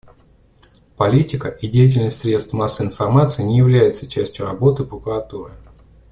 Политика и деятельность средств массовой информации не являются частью работы Прокуратуры.